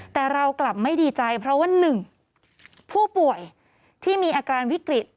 แต่เรากลับไม่ดีใจเพราะว่า๑ผู้ป่วยที่มีอาการวิกฤต